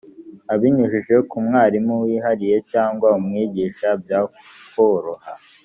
abinyujije ku mwarimu wihariye cyangwa umwigisha byakoroha